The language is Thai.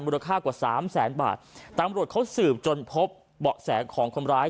ราคากว่าสามแสนบาทตำรวจเขาสืบจนพบเบาะแสของคนร้าย